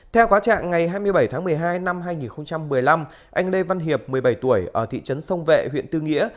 theo quá trạng ngày hai mươi bảy tháng một mươi hai năm hai nghìn một mươi năm anh lê văn hiệp một mươi bảy tuổi ở thị trấn sông vệ huyện tư nghĩa